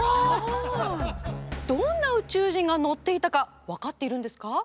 どんな宇宙人が乗っていたか分かっているんですか？